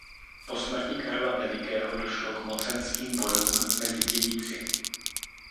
Po smrti Karla Velikého došlo k mocenským bojům mezi dědici.